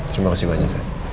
terima kasih banyak